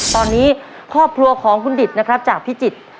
ตอนนี้ครอบครัวของคุณดิตนะครับจากพิจิตร